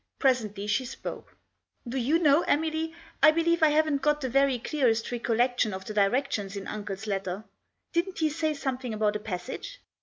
Presently she spoke. " Do you know, Emily, I believe I haven't got the very clearest recollection of the directions in uncle's letter. Didn't he say something about a passage